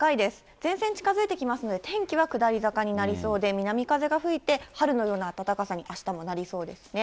前線近づいてきますので、天気は下り坂になりそうで、南風が吹いて、春のような暖かさに、あしたもなりそうですね。